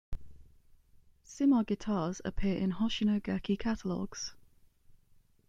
Cimar guitars appear in Hoshino Gakki catalogues.